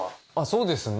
そうですね。